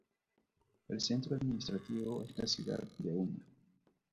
El centro administrativo es la ciudad de Una.